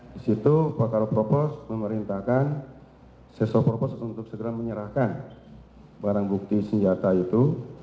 di situ pak karo propos memerintahkan seso propos untuk segera menyerahkan barang bukti senjata itu